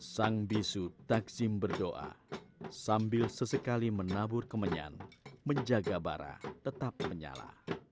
sang bisu takzim berdoa sambil sesekali menabur kemenyan menjaga bara tetap menyala